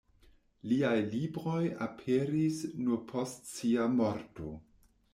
Liaj libroj aperis nur post sia morto.